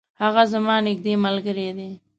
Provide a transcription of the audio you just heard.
هغه زما نیږدي ملګری دی.